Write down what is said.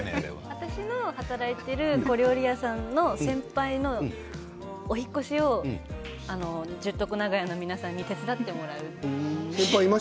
私が働いている小料理屋さんの先輩のお引っ越しを十徳長屋の皆さんに手伝ってもらうと。